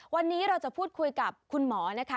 วันนี้เราจะพูดคุยกับคุณหมอนะคะ